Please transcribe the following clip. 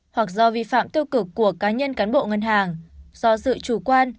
hoặc do vi phạm tiêu cực của cá nhân cán bộ ngân hàng do sự chủ quan